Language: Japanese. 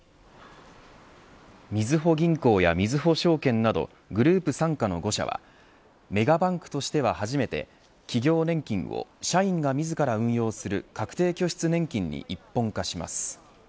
みずほ銀行やみずほ証券などグループ傘下の５社はメガバンクとしては初めて企業年金を、社員が自ら運用する確定拠出年金に一本化します。